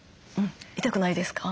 痛くないですか？